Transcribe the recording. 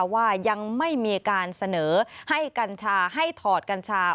ว่ายังไม่มีการเสนอให้กัญชาให้ถอดกัญชา